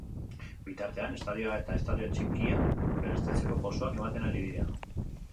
Bitartean, estadioa eta estadio txikia berriztatzeko pausuak ematen ari dira.